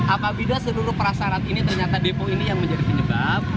apabila seluruh prasarat ini ternyata depo ini yang menjadi penyebab